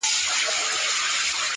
o پايزېب به دركړمه د سترگو توره.